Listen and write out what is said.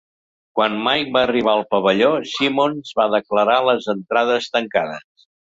Quan Mike va arribar al pavelló, Simmons va declarar les entrades tancades.